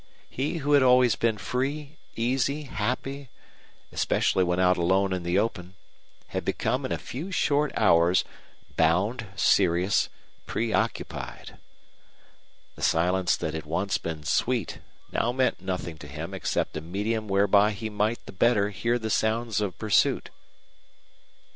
He who had always been free, easy, happy, especially when out alone in the open, had become in a few short hours bound, serious, preoccupied. The silence that had once been sweet now meant nothing to him except a medium whereby he might the better hear the sounds of pursuit.